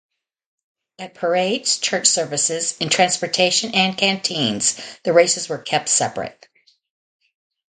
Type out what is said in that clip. At parades, church services, in transportation and canteens the races were kept separate.